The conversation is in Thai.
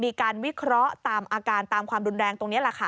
มีการวิเคราะห์ตามอาการตามความดุลแรงตรงนี้